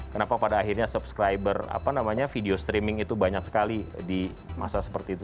kenapa pada akhirnya subscriber apa namanya video streaming itu banyak sekali di masa seperti itu